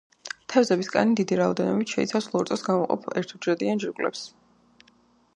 თევზების კანი დიდი რაოდენობით შეიცავს ლორწოს გამომყოფ ერთუჯრედიან ჯირკვლებს.